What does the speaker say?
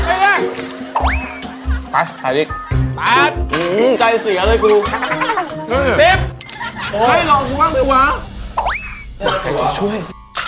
เอาถ่ายตัวช่วย